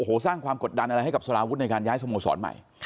โอ้โหสร้างความกดดันอะไรให้กับสลาวุฒิในการย้ายสโมสรใหม่